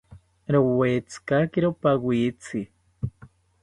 Rowetzikakiro pawitzi